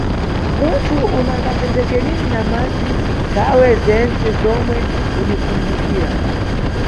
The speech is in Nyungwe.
Munthu unagasenzeke lini na madzi nthawe zentse zomwe unikumbukira.